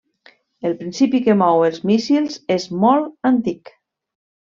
El principi que mou els míssils és molt antic.